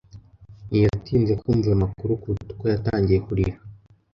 Ntiyatinze kumva ayo makuru kuruta uko yatangiye kurira.